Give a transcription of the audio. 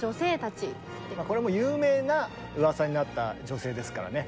これも有名なうわさになった女性ですからね。